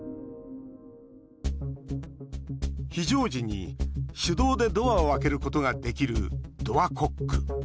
非常時に手動でドアを開けることができるドアコック。